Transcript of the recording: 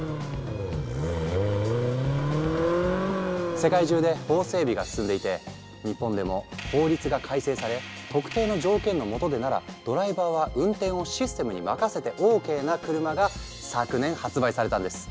世界中で法整備が進んでいて日本でも法律が改正され特定の条件のもとでならドライバーは運転をシステムに任せてＯＫな車が昨年発売されたんです。